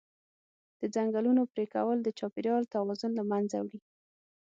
د ځنګلونو پرېکول د چاپېریال توازن له منځه وړي.